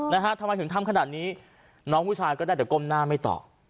นะฮะทำไมถึงทำขนาดนี้น้องผู้ชายก็ได้แต่ก้มหน้าไม่ตอบ